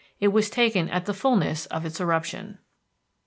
It was taken at the fulness of its eruption.